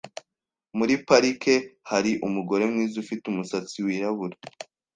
Muri parike hari umugore mwiza ufite umusatsi wirabura.